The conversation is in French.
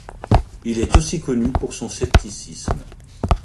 Il est aussi connu pour son scepticisme.